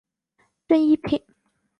正一品。